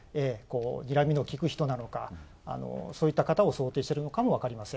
にらみのきく人なのかそういった方を想定しているのかも分かりません。